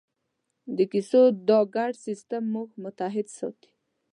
د کیسو دا ګډ سېسټم موږ متحد ساتي.